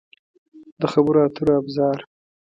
د خبرو اترو ابزار